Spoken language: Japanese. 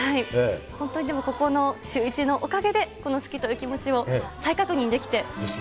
本当にでもここのシューイチのおかげで、この好きという気持ちを再確認できて。